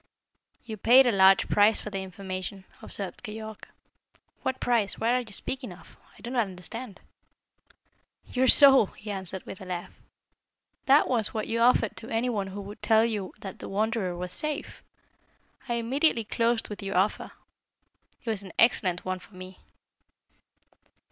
"You paid a large price for the information," observed Keyork. "What price? What are you speaking of? I do not understand." "Your soul," he answered, with a laugh. "That was what you offered to any one who would tell you that the Wanderer was safe. I immediately closed with your offer. It was an excellent one for me."